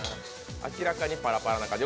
明らかにパラパラな感じ。